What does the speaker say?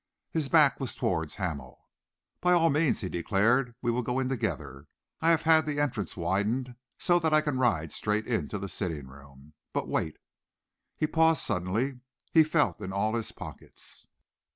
His back was towards Hamel. "By all means," he declared. "We will go in together. I have had the entrance widened so that I can ride straight into the sitting room. But wait." He paused suddenly. He felt in all his pockets.